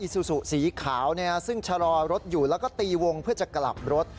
ซูซูสีขาวซึ่งชะลอรถอยู่แล้วก็ตีวงเพื่อจะกลับรถ